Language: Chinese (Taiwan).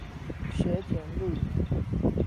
學田路